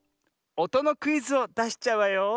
おとのクイズをだしちゃうわよ。